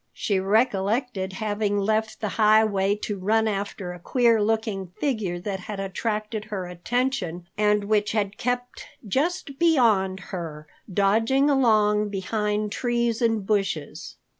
She recollected having left the highway to run after a queer looking figure that had attracted her attention and which had kept just beyond her, dodging along behind trees and bushes.